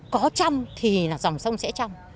có trong thì là dòng sông sẽ trong